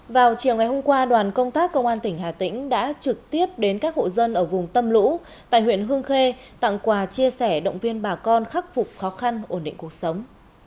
vào chiều ngày hôm qua đoàn công tác công an tỉnh hà tĩnh đã trực tiếp đến các hộ dân ở vùng tâm lũ tại huyện hương khê tặng quà chia sẻ động viên bà con khắc phục khó khăn ổn định cuộc sống